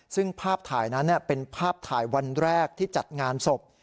ซึ่งภาพถ่ายนั้นเป็นภาพถ่ายวันแรกที่จัดงานศพ